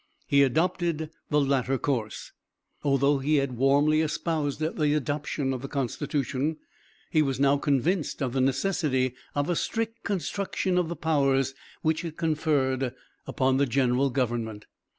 He adopted the latter course. Although he had warmly espoused the adoption of the constitution, he was now convinced of the necessity of a strict construction of the powers which it conferred upon the general government.